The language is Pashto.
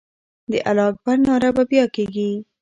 د الله اکبر ناره به بیا کېږي.